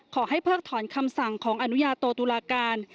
เพิกถอนคำสั่งของอนุญาโตตุลาการ